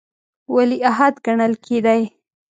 ولیعهد ګڼل کېدی.